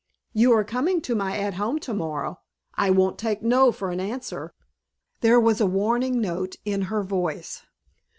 You are coming to my 'At Home' tomorrow. I won't take no for an answer." There was a warning note in her voice.